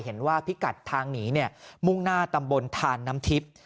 เห็นว่าพิกัดทางหนีมุ่งหน้าตำบลทานน้ำทิพย์